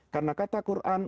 karena kata quran